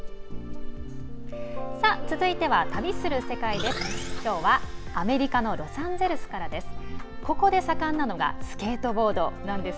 続いては「旅する世界」です。